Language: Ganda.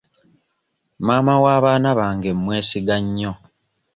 Maama w'abaana bange mwesiga nnyo.